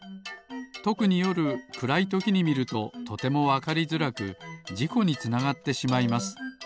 とくによるくらいときにみるととてもわかりづらくじこにつながってしまいます。